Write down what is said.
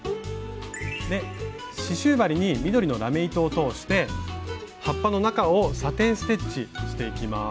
刺しゅう針に緑のラメ糸を通して葉っぱの中をサテン・ステッチしていきます。